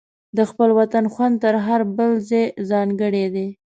د خپل وطن خوند تر هر بل ځای ځانګړی دی.